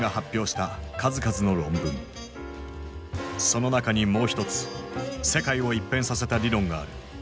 その中にもう一つ世界を一変させた理論がある。